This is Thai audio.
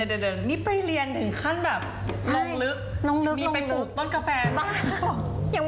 เดี๋ยวนี้ไปเรียนถึงขั้นแบบลงลึกลงลึกมีไปปลูกต้นกาแฟบ้าง